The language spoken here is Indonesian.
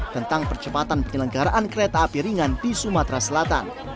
tentang percepatan penyelenggaraan kereta api ringan di sumatera selatan